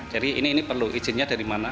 jadi ini perlu izinnya dari mana